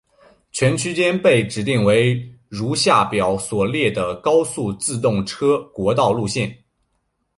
全区间被指定为如下表所列的高速自动车国道路线。